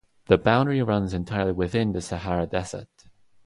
The boundary runs entirely within the Sahara desert.